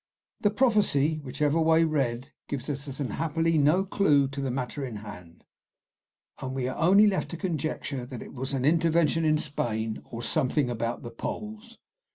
The prophecy, whichever way read, gives us unhappily no clew to the matter in hand, and we are only left to conjecture that it was an intervention in Spain, or "something about the Poles."